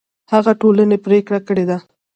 هغه ټولنې پرېکړه کړې ده